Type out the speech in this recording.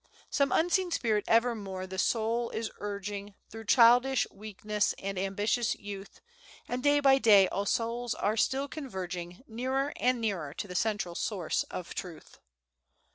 Some unseen spirit evermore the soul is urging Through childish weakness and ambitious youth; And day by day all souls are still converging Nearer and nearer to the Central Source of Truth.